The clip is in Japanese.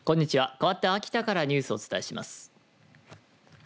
かわって秋田からニュースをお伝えします。